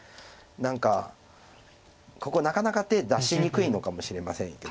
何かここなかなか手出しにくいのかもしれませんけど。